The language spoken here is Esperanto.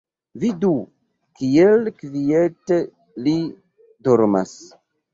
Vidu, kiel kviete li dormas.